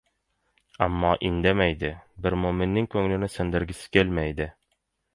Ammo indamaydi. «Bir mo’min»ning ko‘nglini sindirgisi kelmaydi.